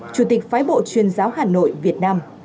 chủ tịch phái bộ chuyên giáo hà nội việt nam